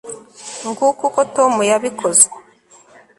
nguko uko tom yabikoze